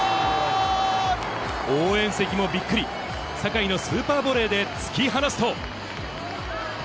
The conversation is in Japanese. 応援席もびっくり、坂井のスーパーボレーで突き放すと。